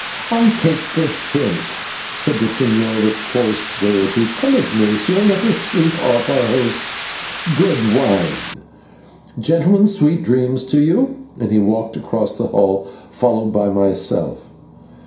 "I take the hint," said the señor, with forced gaiety. "Come, Ignatio, let us sleep off our host's good wine. Gentlemen, sweet dreams to you," and he walked across the hall, followed by myself.